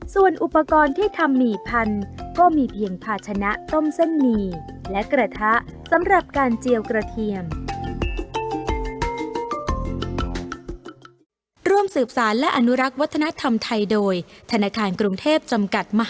ส่วนอุปกรณ์ที่ทำหมี่พันธุ์ก็มีเพียงภาชนะต้มเส้นหมี่และกระทะสำหรับการเจียวกระเทียม